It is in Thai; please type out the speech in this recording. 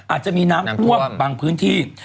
อาจจะมีน้ำท่วมบางพื้นที่